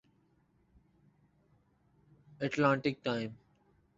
Atlantic time